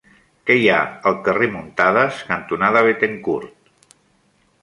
Què hi ha al carrer Muntadas cantonada Béthencourt?